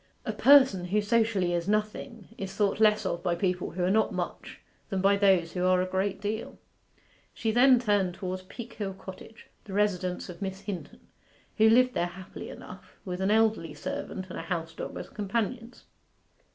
A person who socially is nothing is thought less of by people who are not much than by those who are a great deal. She then turned towards Peakhill Cottage, the residence of Miss Hinton, who lived there happily enough, with an elderly servant and a house dog as companions.